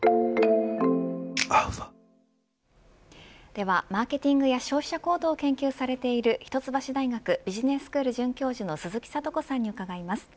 ではマーケティングや消費者行動を研究されている一橋大学ビジネススクール准教授の鈴木智子さんに伺います。